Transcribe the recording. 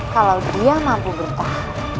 kalau dia mampu bertahan